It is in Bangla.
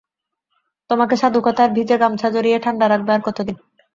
তোমাকে সাধুকথার ভিজে গামছা জড়িয়ে ঠাণ্ডা রাখবে আর কতদিন?